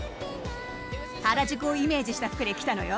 原宿をイメージした服で来たのよ。